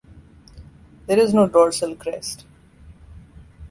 There is no dorsal crest.